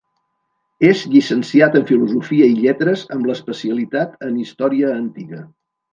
És llicenciat en Filosofia i lletres amb l'especialitat en Història Antiga.